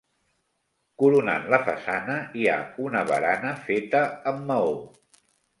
Coronant la façana hi ha una barana feta amb maó.